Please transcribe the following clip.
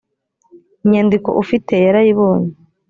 inyandiko ufite yarayibonye